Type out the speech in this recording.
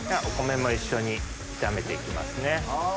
お米も一緒に炒めて行きますね。